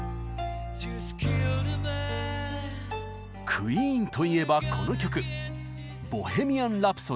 クイーンといえばこの曲「ボヘミアン・ラプソディ」。